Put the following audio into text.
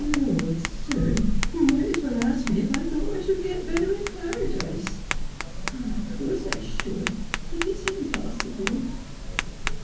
' Lor', sir, you might as well ask me if I thought I should get better in Paradise ! Of course I should, but it's impossible.